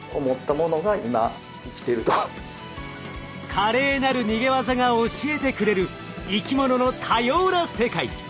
華麗なる逃げ技が教えてくれる生き物の多様な世界。